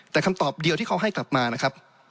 แต่คำตอบเดียวที่เขาให้กลับมานะครับ